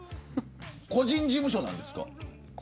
個人事務所なんですか。